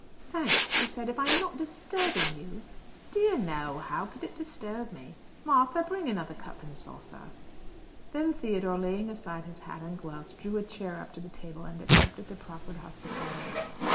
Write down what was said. "Thanks," he said. "If I am not disturbing you " "Dear no! How could it disturb me? Martha, bring another cup and saucer." And then Theodore, laying aside his hat and gloves, drew a chair up to the table and accepted the proffered hospitality.